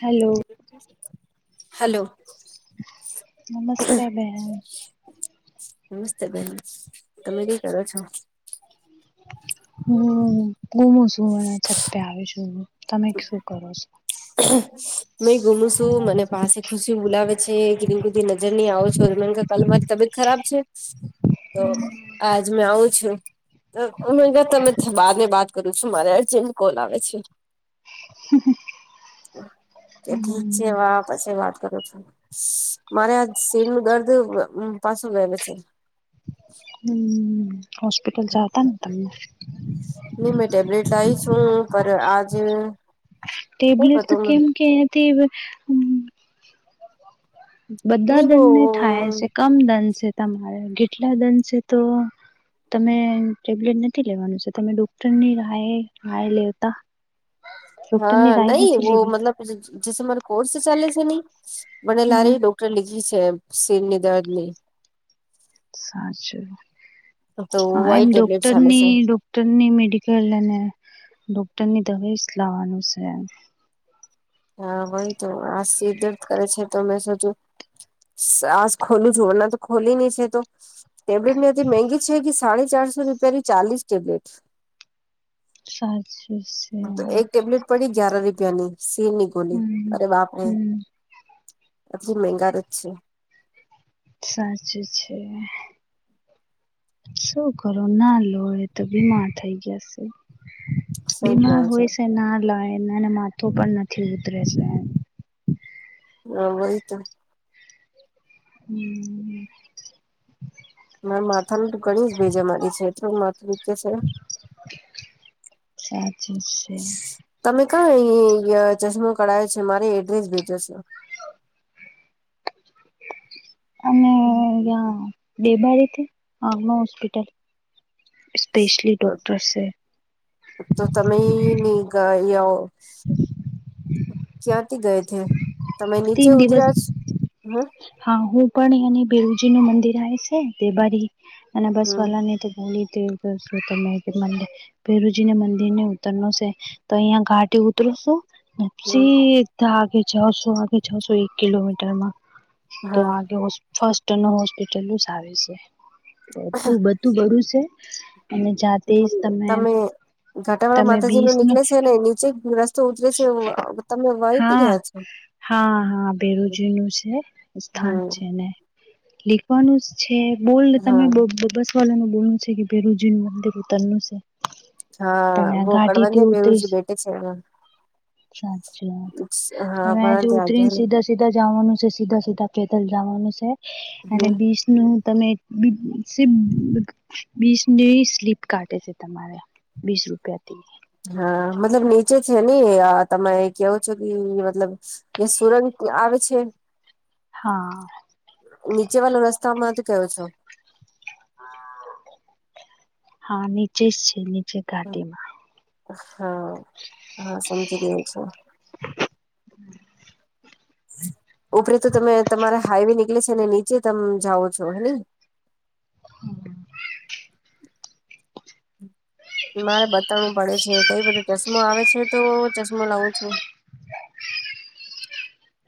Hello hello નમસ્તે બેન નમસ્તે બેહેન તમે કઈ કરો છો હ ગુમું છું મ છતપે આવીશું તમે શું કરો છો હ મે ગુમું છું મને પાસે ખુશી બોલાવે છે કે કધી નજર નહી આવો છો [unintelligible] કલે મારી તબિયત ખરાબ છે તો આજ મેં આવું છું તમે [unintelligible] બાત કરું છું મારે અર્જન્ટ કોલ આવે છે હમ હ તો ઠીક છે વાહ પછી વાત કરો છું મારે આ સિરનું દર્દ પાછું [unintelligible] છે હ હોસ્પિટલ જાતા તમને નઈ મેં ટેબ્લેટ લાવી છું પર આજ ટેબ્લેટ તો કેમ [unintelligible] કે તે [unintelligible] બધા નહી વો દંને થાય છે કમ દંન છે તમારે કેટલા દંન છે તો તમે ટેબ્લેટ નથી લેવાનું છે તમે ડોક્ટરની રાએ રાાય લેતા ડોક્ટરની હા રાય નહી નથી વો લેવી. મતલબ જેસે મારો કોર્સ ચાલે છે નહી મને હમ્મ લારી ડોક્ટર લીધી છે એમ સિરની દર્દ ની સાચું તો હા વાઈ એમ ટેબ્લેટ ચાલે છે ડોક્ટરની ડો કરની મેડિકલ અને ડોક્ટરની દવાઇ લાવવાનું છે હા વહી તો આ સિર દર્દ કરે છે તો મેં સોચું [unintelligible] ખોલું છું વરના તો ખોલી નહી છે તો ટેબ્લેટ [unintelligible] મગી છે કે સાડા ચારસો રૂપિયાની ચાલીસ ટેબ્લેટ તો એક [unintelligible] ટેબ્લેટ પડી ગ્યાર રૂપિયાની સીની ગોલી હમ અરે બાપને હમ આટલી મંગાર જ છે સાચું છે શું કરો ના લોએે તો બીમાર થઈ ગયા છો સહી બીમાર ગયો હોય છે ના લાય નાને માથું પણ નથી ઉતરે છે હ વહી તો હમ માર માથાનું ઘણી જ ભીજે મારી છે થોડું માથું કે છે સાચી છે તમે કંય ચશ્મો કરાયો છે મારી એડ્રેસ ભેજો છો [unintelligible] સ્પેશલી ડોક્ટર છે તો તમે નની ગાય આવ [inaudible] ક્યાંથી ગય છે તમે નીચે તીન દિવસ ઉતર્યા છો હમ હા હું પણ એની ભેવજી નું મંદિર આવે છે તે બારી અને બસ હમ વાલાની [unintelligible] ભેરુજીને મંદિર ને ઉતરનું છે તો અહિયાં ઘાટે ઉતરૂ છું હમ સીધા આગે જસો આગે જસો એક કિલોમીટરમાં તો હા આગે હો ફસ્ટ ન હોસ્પિટલ આવે છે બધું બધું બડું છે અને જાતે જ તમે ઘાટાવાળા તમે માતાજી નો બીસ ન નીકળ છે ને નીચે રસ્તો ઉતરે છે તમે વયથી હા ગયા છો હા હા બેરોજી નું છે સ્થાન હમ છે ને લીખવાનું જ છે બોલ તમે હા બ બ બસ [unintelligible] બોલું છે કે બેરુજી નું મંદિર ઉતરનું છે હા તયા વો કડબંધે ઘાટીથી પેરુજી ઉતરી બેઠે છે [unintelligible] હા હવેથી વળંદ આગે ઉતરીને ને સીધા સીધા જવાનું છે સીધા સીધા પેદલ જવાનું છે અને હમ બી નું તમે [unintelligible] બીસની સ્લીપ કાઢે છે તમારા વીસ રૂપિયાથી હા મતલબ નીચે છે ને તમે કયો છો કે મતલબ એ સુરંગ આવે છે હા નીચે વાળ રસ્તા માં તું કેયોો છો હા નીચે જ છે નીચે ઘાટીમાં હા હા સમજી ગ છો ઉપરે તો તમે તમારા હાઈવે નીકળે છે અને નીચે તમે જાઓ છો હે હમ મારે બતાવું પડે છે કઈ બધું ચશ્મો આવે છે તો ચશ્મો લઉું છું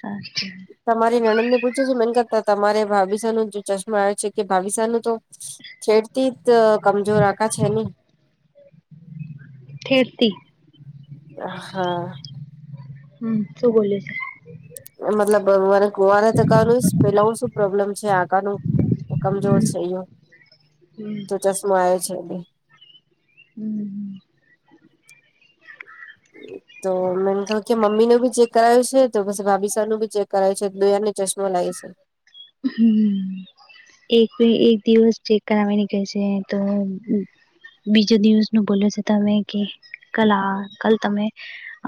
સાચછ તમારી નણંદ ને પૂછો છું મન કરતા તમારે ભાવિસા નું ચશ્મા આવ છે કે ભાવિસા નું તો છેડતી જ કમજોર આખા છે ને ખેરતી હા હમ શું બ છે મતલબ મારે ગુવારે તકાનું પેલાું શું પ્રોબ્લેમ છે આકાર ન તો કમજોર છે યો હમ ચશમા આવે છે ભી હમ તો મેને કહું કે મમ્મી નું ભી ચેક કરાયો છે તો પછી ભાભી સર નું બી ચેક કરાયું છે દયાને ચશ્મ લાગી છે હમ એક એક દિવસ ચેક કરાવવા નીકળે છે તો બીજો દિવસ નું બોલે છે તમે કે કલ આ કાલ તમે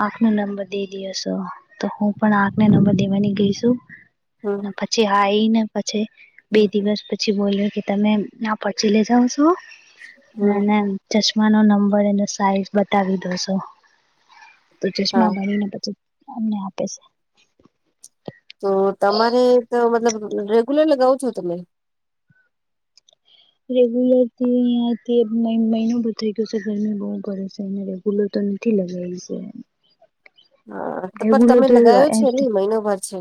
આંખ નો નંબર દે દયો છો તો હું પણ આંખને નંબર દેવાની ગઈશું હમ ન‌ પછી આ આવીને પછી બે હમ દિવસ પછી પછી બોલ્યો કે તમે આ પચી લઈ જાાવ છો ના ના ચશ્માનો નંબર એનો સાઈઝ બતાવી દોસો, તો ચશ્મા હા બનીને પછી અમને આપે છે તો તમારે તો મતલબ રેગ્યુલર લગાવ છો તમે રેગ્યુલર થી મહિનો ભ થઈ ગયો છે ગરમી બહુ બસને ભૂલો તો નથી લગાવ છે હા તો પણ રેગ્યુલર તમે તો લગાવો છે નઈ મહિનો ભર છે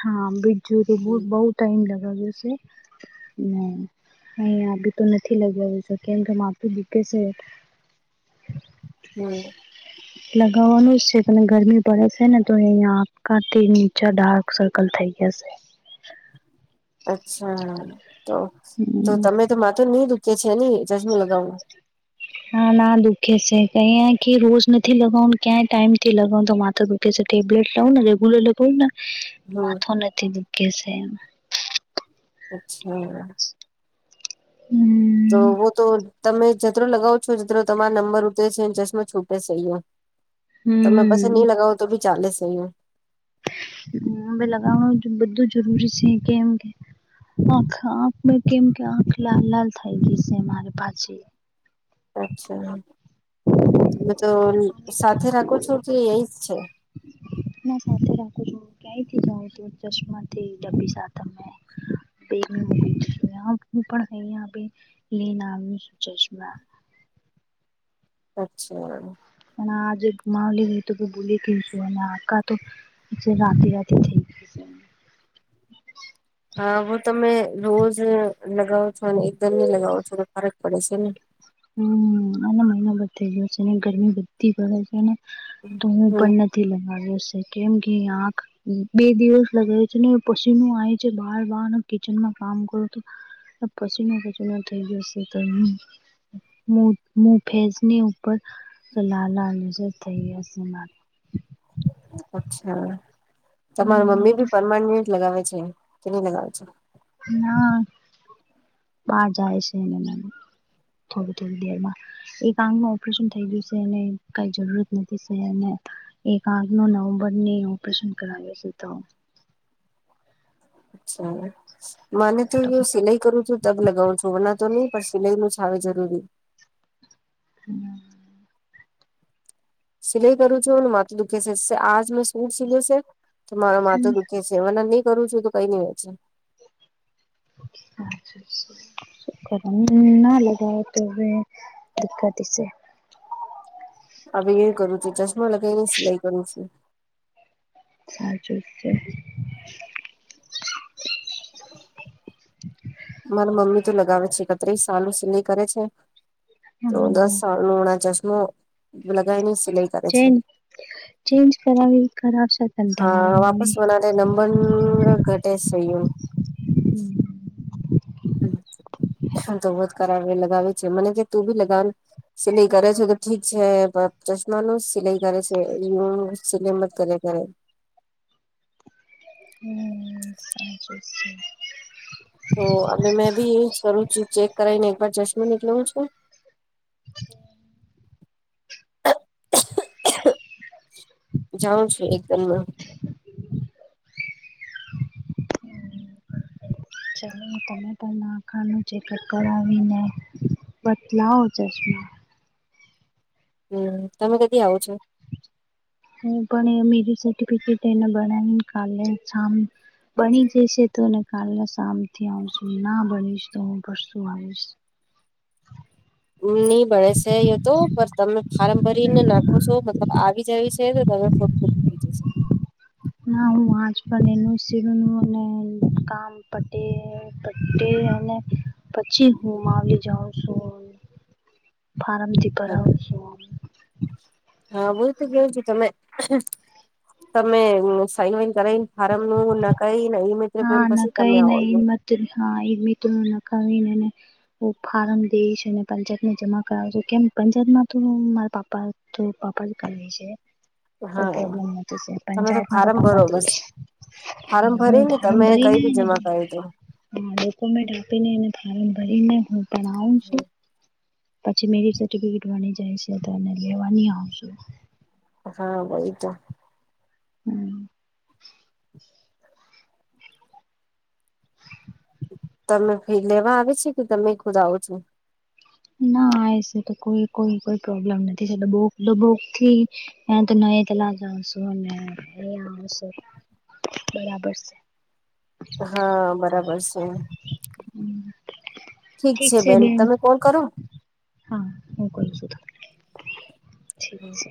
હા બીજું ર બ હમ બહ ટાઈમ લગાવશે હ અહી આ બી તો નથી લગાવી શ કેમ કે માપી દુકે છે. [inaudible] હમ લગાવવાનું જ છે તને ગરમી પડે છે ને તો અહીંયા આપકા તે નીચા ડાર્ક સર્કલ થઇ જશે. અચ્છા તો તો તમે તો માથું નહી દુકે છે ની ચશમું લગાવું. [inaudible] ના ના દુઃખે છે કઈ કે રોજ નથી લગાવનું ક્યાં ટાઈમ થી લગાવનું તો માથું દુખ કે છે ટેબલેટ લાવને રેગુલર ૂ [unintelligible] હમ માથો નથી દુખ છે એમ અચ્છા હમ તો વો તો તમે જતરો લગાવો છો જતરો તમારા નંબર ઉતરે છેને ચશ્મો છૂટે છે, યુ તમે પસે હમ નહીં લગાવ તો ભી ચાલે સહી હ યૂ લગાવણું બધું જરૂરી છે કેમ કે આખ આખ કેમ કે આંખ લાલ લાલ થઈ ગઈ છે મારે પાછી અચ્છા તમે તો સાથે રાખો છો કે યહી જ છે ના સાથે રાખું છું ક્યાં થી જાઉ છું ચશ્માથી ડબી સાથ મે [unintelligible] હું પણ [unintelligible] લઈ નામ સુ ચશ્મા અચ્છા અને આજે ગુમાવલી ગઇ તો કે ભોલી કશું અને આકા તો જે રાતી રાતે થઈ ગય છે. હા હ તમે રોજ લગાવો છો અને એકદમ ની લગાવો છો તો ફરક પડે છે ને હમ આના મહિના બધી ગયો છે ને ગરમી બધી ગે છે ને તો હું હમ પણ થી લગડ્યોશે કેમ કે આંખ બે દિવસ લગાવ છે ને પશીનું આવે છે બહાર બહાર કિચનમાં કામ કરો તો પશીનો પશીનો થઈ જશે તોય ન મુ મુ ફેજની ઉપર લ લાલ થઈ હશે મારે અચ્છા, તમાર મમ્મી બી પરમાનેન્ટ લગાવે છે કે નહી લગાવે છે. ના બાર જાય છે એને ના થોડી થોડી દેરમાં એક આંખમાં ઓપરેશન થઈ ગયું છે અને કઈ જરૂરત નથી છ અને એક આખ નો નવમબરની ઓપરેશન કરાવ્યું છે તો અચ્છા માને તો સિલાઈ કરું છું તબ લગાવું છું વના તો નહી પ સિલાઈ નુંછાવ જરૂરી [inaudible] સિલાઈ કરું છું મ માતો દુખે છે આજ મેં સૂટ સિલે છે તો મારો માતો દુખે છે વન નહી કરું છું તો કઈ નહી વેચે અચછા કર ના લગઓ તો હવે દિકકતીશ હ હવે એ કરું છેું ચશ્મા લગાવને સિલાઈ કરું છું. સાચું છે. [unintelligible] મારા મમ્મી તો લગાવે છે એકત્રીસ સાલું સિલાઈ કરે છે તો દસ હમ સા લુણા ચશ્મો લગએની સિલાઈ કરે ચે છે ચેજ કરાવ ખરા બકલરાશે [unintelligible] તમારી હા મમ્મી તે શું [unintelligible] તો બ જ ખરાબ લગાવી છે મને કે તું ભી લગાવ સિલાઈ કરે છે તો ઠીક છે ચશ્માનું જ સિલાઈ કરે છે એ [unintelligible] સિલાઈમાં જ કરે કરે હમ સા છે તો અ મેં બી કરું છું ચેક કરાવ ને એકવાર જસ્ટમેન્ટ નીકળવું છું જાઉં છું એકદમમાં [unintelligible] તમે પણ નાખા ન ચેકઅપ કરાવીને બદલાવો જશ હમ તમે કદી આવો છો પણ મેરી સર્ટિફિકેટ એને બ કાલે બની જઈશે તોને કાલના સામથી આવશું ના બનીશ તો હું પરશું આવીશ નહી ભણે છે તો પણ તમે ફાર્મ ભરીને નાખો છો મતલબ આવી જવી છે તમે ફડ કોપીીજે છે ના હું વાજ પણ એનું શરું ન મને કામ પટે પટે અને પછી હું મા આવી જાઉં છું ફારમથી ભરા આવ હા બોલ તો કેવું છું તમે તમે સાઈન વાઈન કરાવ ફારમું ન કઈઈ હા ન કા ન એન્ માત હા એઈ મિતિત ન ન કવ ન હ ફારમ દઈશ પંચાતને જમા કરાવ છે કેમ પંચાત માં તો મારા પાપા તો પાપા જ કરવી છે કોઈ હા પ્રોબ્લેમ તમે પંચાયતમાં તો ફારમ ભરો પાપા તે બસ ફારમ હ ભરી ને ફમ તમે ભરી કઈ બી જમા કરી દો હ ડોક્યુમેન્ટ આપીનેને ફોર્મ ભરીને પણ આવું છું હમ પછી મેરી સર્ટિફિકેટ વની જાય છે તો લેવાની આવશ હા બય તો હમ તમે ફરી લેવા આવે છે કે તમે ખુદ આવો છો ના એ છે તો કોઈ કોઈ કો પ્રોબ્લેમ નથી છેટ બોક બોકથી એ તો ન એ તલા જશું અને આવ બરાબર છે હા બરાબર છે ઠીક છે બેન તમે કોલ કરો હા હું કું છું ત ઠીક છે